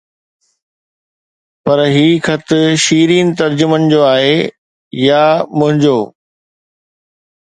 پر هي خط شيرين ترجمن جو آهي يا منهنجو